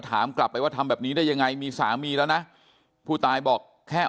ถามกลับไปว่าทำแบบนี้ได้ยังไงมีสามีแล้วนะผู้ตายบอกแค่